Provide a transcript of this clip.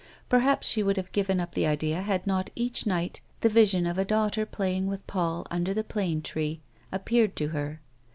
Perhaps she would have given up the idea had not each night the vision of a daughter playing with Paul under the plane tree appeared to her.